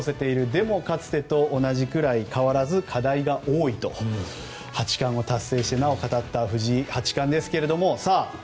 でも、かつてと同じくらい変わらず、課題が多いと八冠を達成してなお語った藤井八冠ですが。